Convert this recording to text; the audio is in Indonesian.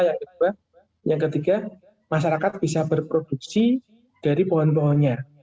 yang ketiga masyarakat bisa berproduksi dari pohon pohonnya